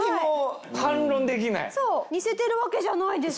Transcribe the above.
そう似せてるわけじゃないです。